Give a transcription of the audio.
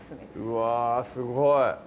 うわぁすごい！